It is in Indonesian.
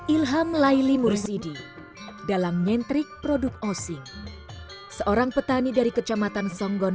ilham laili mursidi dalam nyentrik produk osing seorang petani dari kecamatan songgon